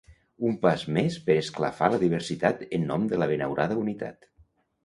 Un pas més per esclafar la diversitat en nom de la benaurada unitat.